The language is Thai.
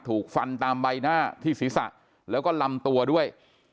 ถูกฟันตามใบหน้าที่ศีรษะแล้วก็ลำตัวด้วย